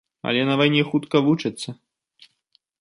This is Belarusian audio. Але на вайне хутка вучацца.